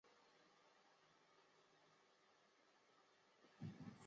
再不走就来不及了